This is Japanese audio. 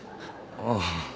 ああ。